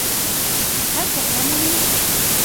هل تفهمني ؟